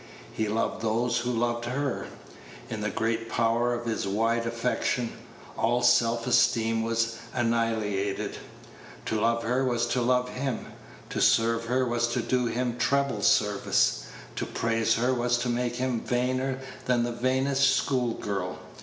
He loved those who loved her. In the great power of his wide affection, all self esteem was annihilated. To love her was to love him; to serve her was to do him treble service; to praise her was to make him vainer than the vainest school girl.